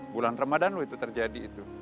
bulan ramadan loh itu terjadi itu